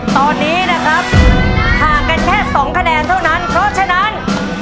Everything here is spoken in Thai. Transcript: ตอนนี้นะครับห่างกันแค่สองคะแนนเท่านั้นเพราะฉะนั้น